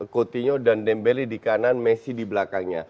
coutinho dan dembeli di kanan messi di belakangnya